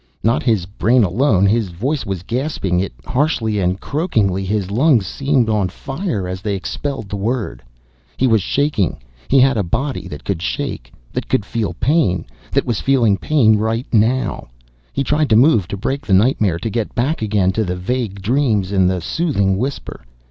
Not his brain alone, his voice was gasping it, harshly and croakingly, his lungs seeming on fire as they expelled the word. He was shaking. He had a body that could shake, that could feel pain, that was feeling pain now. He tried to move, to break the nightmare, to get back again to the vague dreams, and the soothing whisper.